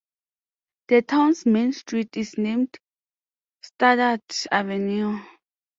The town's main street is named Studdart Avenue.